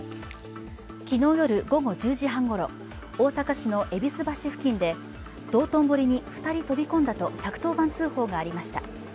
昨日夜午後１０時半ごろ、大阪市の戎橋付近で道頓堀に２人飛び込んだと１１０番通報がありました。